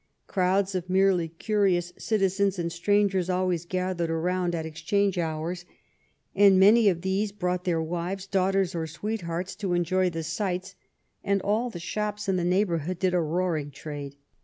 Crowds of merely curious citizens and strangers always gathered around at Ex change hours, and many of these brought their wives, daughters, or sweethearts to enjoy the sights, and all the shops in the neighborhood did a roaring trade.